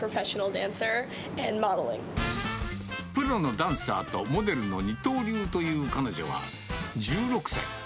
プロのダンサーとモデルの二刀流という彼女は、１６歳。